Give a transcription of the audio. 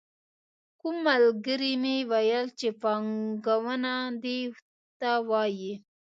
کوم ملګري مې ویل چې پانګونه دې ته وايي.